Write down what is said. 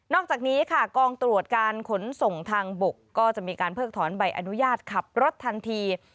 อกจากนี้ค่ะกองตรวจการขนส่งทางบกก็จะมีการเพิกถอนใบอนุญาตขับรถทันที